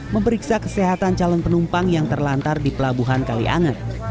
memeriksa kesehatan calon penumpang yang terlantar di pelabuhan kalianget